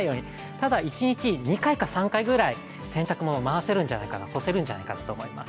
ただ、一日に２回か３回ぐらい回せるんじゃないかと思います。